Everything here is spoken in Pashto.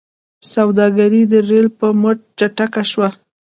سوداګري د ریل په مټ چټکه شوه.